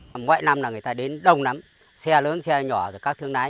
vậy năm là người ta đến đông lắm xe lớn xe nhỏ các thương lái